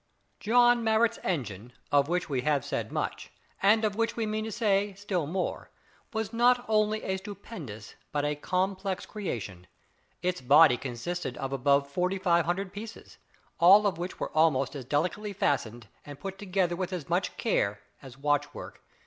John Marrot's engine, of which we have said much, and of which we mean to say still more, was not only a stupendous, but a complex creation. Its body consisted of above 5,400 pieces, all of which were almost as delicately fashioned, and put together with as much care, as watch work.